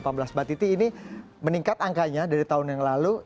mbak titi ini meningkat angkanya dari tahun yang lalu